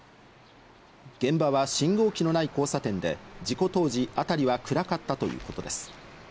現場は信号機のない交差点で事故当時、あたりは暗かったということです。